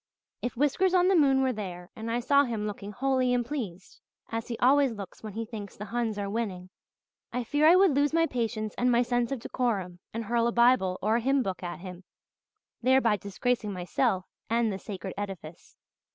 "If Whiskers on the moon were there and I saw him looking holy and pleased, as he always looks when he thinks the Huns are winning, I fear I would lose my patience and my sense of decorum and hurl a Bible or hymn book at him, thereby disgracing myself and the sacred edifice.